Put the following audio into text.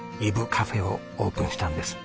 カフェをオープンしたんです。